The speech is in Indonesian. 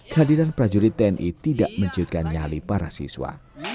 kehadiran prajurit tni tidak menciutkan nyali para siswa